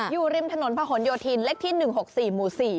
อยู่ริมถนนพะหนโยธินเลขที่๑๖๔หมู่๔